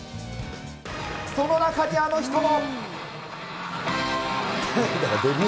その中にあの人も。